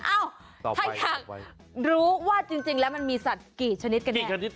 อ้าวให้ถักรู้ว่าจริงแล้วมันมีสัตว์กี่ชนิดกันเนี่ย